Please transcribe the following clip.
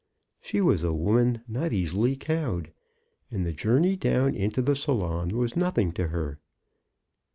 She was a woman not easily cowed, and the journey down into the salon was nothing to her.